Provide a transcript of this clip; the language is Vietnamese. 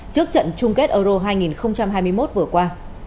trước trận chung kết euro hai nghìn hai mươi một vừa qua